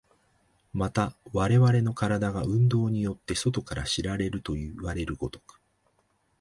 また我々の身体が運動によって外から知られるといわれる如く、